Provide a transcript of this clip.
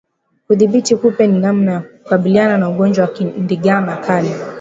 Kudhibiti kupe ni namna ya kukabiliana na ugonjwa wa ndigana kali